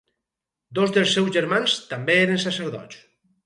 Dos dels seus germans també eren sacerdots.